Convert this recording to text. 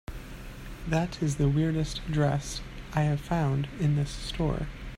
That is the weirdest dress I have found in this store.